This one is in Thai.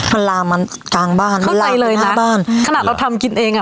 มันลามันกลางบ้านเข้าไปเลยนะลาข้างบ้านขนาดเราทำกินเองอ่ะ